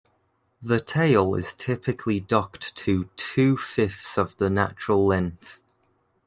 The tail is typically docked to two-fifths of the natural length.